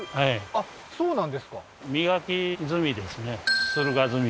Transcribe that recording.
あっそうなんですか静岡？